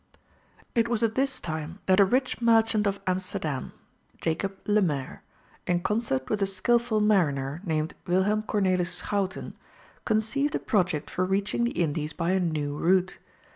It was at this time that a rich merchant of Amsterdam, Jacob Lemaire, in concert with a skilful mariner, named Wilhem Cornelis Schouten, conceived a project for reaching the Indies by a new route.